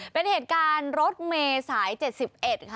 เป็นเหตุการณ์รถเมย์สาย๗๑ค่ะ